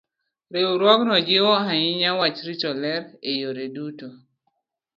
Riwruogno jiwo ahinya wach rito ler e yore duto.